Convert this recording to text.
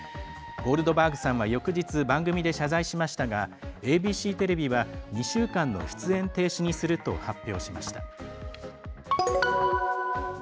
ゴールドバーグさんは翌日番組で謝罪しましたがＡＢＣテレビは２週間の出演停止にすると発表しました。